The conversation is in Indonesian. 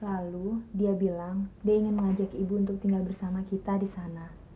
lalu dia bilang dia ingin mengajak ibu untuk tinggal bersama kita di sana